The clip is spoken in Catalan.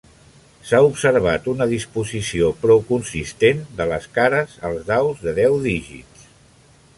S'ha observat una disposició prou consistent de les cares als daus de deu dígits.